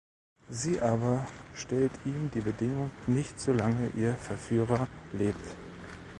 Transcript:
Sie aber stellt ihm die Bedingung: Nicht, solange ihr Verführer lebt.